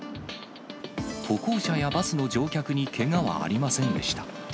歩行者やバスの乗客にけがはありませんでした。